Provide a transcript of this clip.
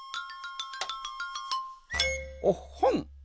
おっほん！